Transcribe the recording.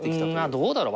どうだろう？